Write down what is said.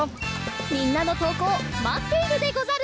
みんなのとうこうまっているでござる！